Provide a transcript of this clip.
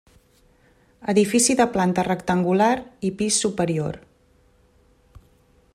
Edifici de planta rectangular, i pis superior.